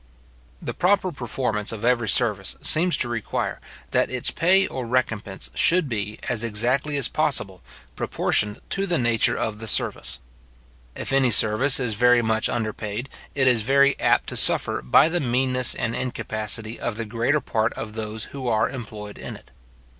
The proper performance of every service seems to require, that its pay or recompence should be, as exactly as possible, proportioned to the nature of the service. If any service is very much underpaid, it is very apt to suffer by the meanness and incapacity of the greater part of those who are employed in it.